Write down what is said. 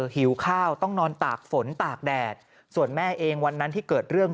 หิวข้าวต้องนอนตากฝนตากแดดส่วนแม่เองวันนั้นที่เกิดเรื่อง